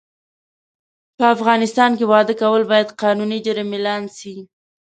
په افغانستان کې واده کول باید قانوني جرم اعلان سي